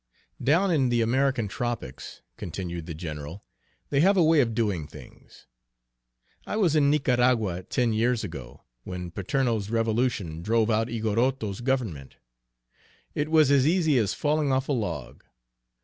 "Down in the American tropics," continued the general, "they have a way of doing things. I was in Nicaragua, ten years ago, when Paterno's revolution drove out Igorroto's government. It was as easy as falling off a log.